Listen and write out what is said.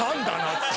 って。